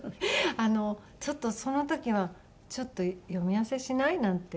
ちょっとその時は「ちょっと読み合わせしない？」なんて言って。